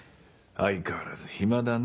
相変わらず暇だね